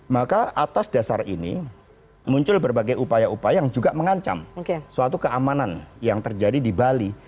maka atas dasar ini muncul berbagai upaya upaya yang juga mengancam suatu keamanan yang terjadi di bali